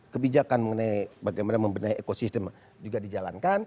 kebijakan mengenai bagaimana membenahi ekosistem juga dijalankan